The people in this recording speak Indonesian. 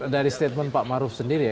dari statement pak maruf sendiri ya